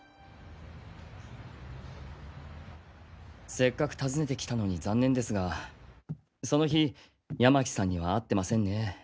せっかく訪ねて来たのに残念ですがその日山喜さんには会ってませんね。